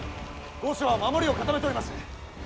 御所は守りを固めております。